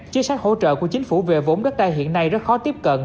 chính sách hỗ trợ của chính phủ về vốn đất đai hiện nay rất khó tiếp cận